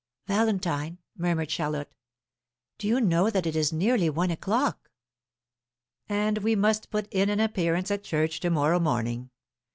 "Valentine," murmured Charlotte, "do you know that it is nearly one o'clock?" "And we must put in an appearance at church to morrow morning.